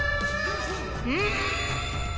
うん！